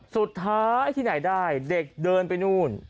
สุดท้ายที่ไหนได้เด็กเดินไปนู่น